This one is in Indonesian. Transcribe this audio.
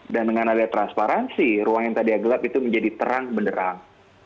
dan dengan ada transparansi ruang yang tadi gelap itu menjadi terang benderang